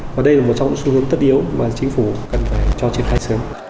và đây là một trong những xu hướng tất yếu mà chính phủ cần phải cho triển khai sớm